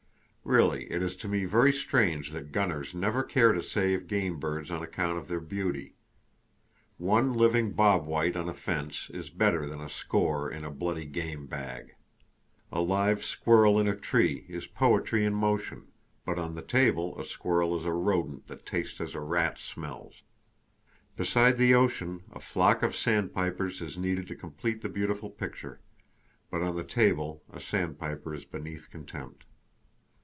Really, it is to me very strange that gunners never care to save game birds on account of their beauty. One living bob white on a fence is better than a score in a bloody game bag. A live squirrel in a tree is poetry in motion; but on the table a squirrel is a rodent that tastes as a rat smells. Beside the ocean a flock of sandpipers is needed to complete the beautiful picture; but on the table a sandpiper is beneath contempt.